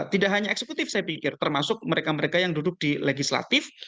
tidak hanya eksekutif saya pikir termasuk mereka mereka yang duduk di legislatif